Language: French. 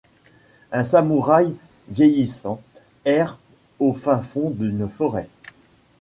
Un samouraï vieillissant erre au fin fond d'une forêt.